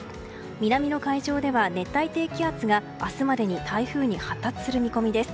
南の海上では熱帯低気圧が明日までに台風に発達する見込みです。